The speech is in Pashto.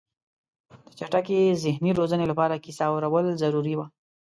د چټکې ذهني روزنې لپاره کیسه اورول ضروري وه.